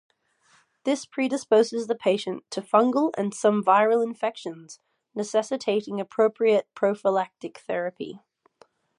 This predisposes the patient to fungal and some viral infections necessitating appropriate prophylactic therapy.